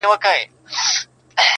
چا ویل دا چي، ژوندون آسان دی.